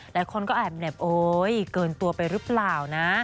หลายคนก็แอบเหน็บโอ๊ยเกินตัวไปหรือเปล่านะ